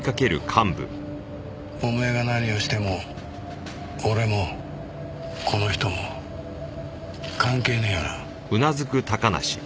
お前が何をしても俺もこの人も関係ねえよな？